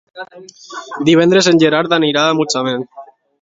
Divendres en Gerard anirà a Mutxamel.